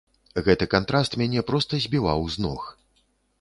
Гэты кантраст мяне проста збіваў з ног.